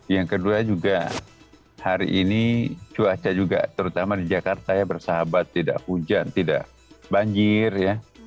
yang kedua juga hari ini cuaca juga terutama di jakarta ya bersahabat tidak hujan tidak banjir ya